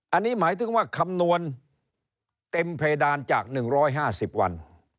อันนี้หมายถึงว่าคำนวณเต็มเพดานจาก๑๕๐วัน